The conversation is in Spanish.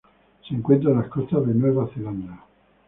Se encuentra en las costas de Nueva Zelanda.